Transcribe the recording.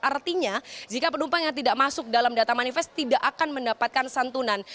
artinya jika penumpang yang tidak masuk dalam data manifest tidak akan mendapatkan santunan